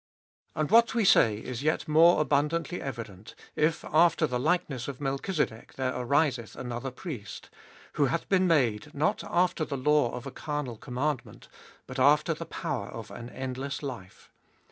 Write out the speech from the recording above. And what we say is yet more abundantly evident, if after the likeness of Melchizedek there ariseth another priest, 16. Who hath been made, not after the law of a carnal commandment, but after the power of an endless life.